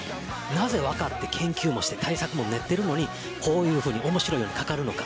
なぜ分かって研究もして対策も練っているのにこんなに面白いようにかかるのか。